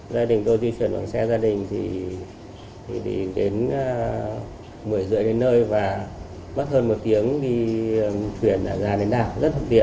gia đình tôi di chuyển bằng xe gia đình thì đến một mươi rưỡi đến nơi và mất hơn một tiếng đi chuyển ra đến đảo rất hấp thiện